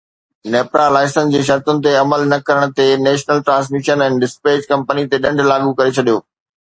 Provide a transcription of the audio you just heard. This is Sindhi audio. نيپرا لائسنس جي شرطن تي عمل نه ڪرڻ تي national transmission and dispatch company تي ڏنڊ لاڳو ڪري ڇڏيو